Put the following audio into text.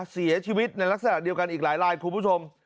เสียชีวิตในลักษณะเดียวกันอีกหลายลายคุณผู้ชม